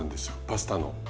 パスタの。